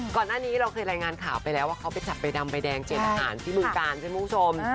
ก่อนหน้านี้เราเคยรายงานข่าวไปแล้วว่าเขาไปจับใบดำใบแดงเจนอาหารที่บึงกาลใช่ไหมคุณผู้ชม